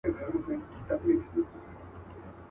دا د بازانو د شهپر مېنه ده.